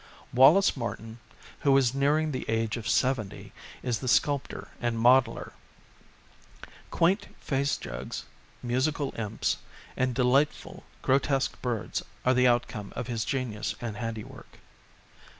Wallace Martin, who is nearing the age of seventy, is the sculptor and modeller. Quaint face jugs, musical imps and delightful grotesque birds are the outcome of his genius and handiwork.